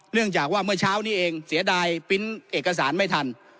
เนื่องจากว่าเมื่อเช้านี้เองเสียดายปริ้นต์เอกสารไม่ทัน